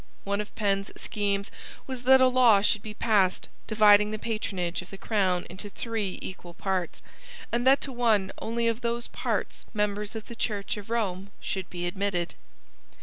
One of Penn's schemes was that a law should be passed dividing the patronage of the crown into three equal parts; and that to one only of those parts members of the Church of Rome should be admitted.